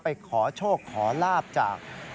ไปขอโชคขอลาบจาก